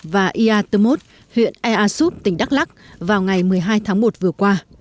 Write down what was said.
và ea tư mốt huyện ea súp tỉnh đắk lắc vào ngày một mươi hai tháng một vừa qua